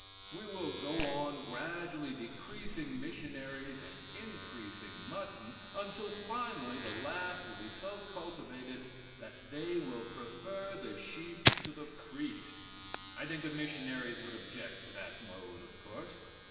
We will go on gradually decreasing missionaries and increasing mutton until finally the last will be so cultivated that they will prefer the sheep to the priest, I think the missionaries would object to that mode, of course.